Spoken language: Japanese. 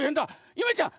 ゆめちゃん